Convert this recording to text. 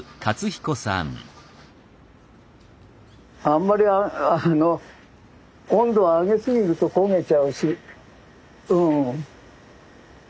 あんまりあの温度を上げ過ぎると焦げちゃうしうん。